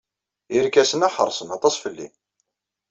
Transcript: Irkasen-a ḥeṛsen aṭas fell-i.